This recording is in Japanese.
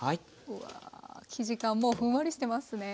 うわ生地がもうふんわりしてますね。